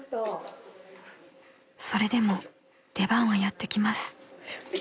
［それでも出番はやって来ます］